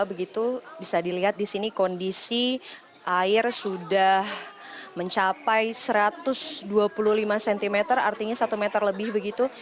begitu bisa dilihat di sini kondisi air sudah mencapai satu ratus dua puluh lima cm artinya satu meter lebih begitu